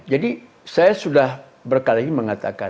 jadi saya sudah berkali ini mengatakan